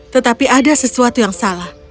tetapi ada sesuatu yang salah